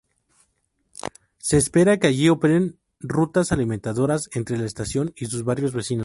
Se espera que allí operen rutas alimentadores entre la estación y sus barrios vecinos.